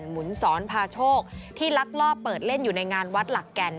หนุนสอนพาโชคที่ลักลอบเปิดเล่นอยู่ในงานวัดหลักแก่น